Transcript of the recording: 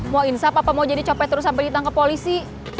mau insaf apa mau jadi copet terus sampai ditangkap polisi